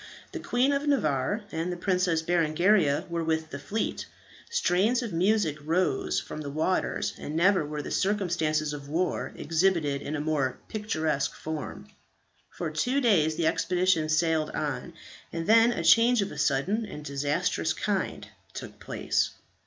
The Queen of Navarre and the Princess Berengaria were with the fleet. Strains of music rose from the waters, and never were the circumstances of war exhibited in a more picturesque form. For two days the expedition sailed on, and then a change of a sudden and disastrous kind took place.